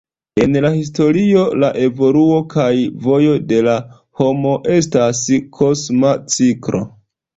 En la historio la evoluo kaj vojo de la homo estas kosma ciklo.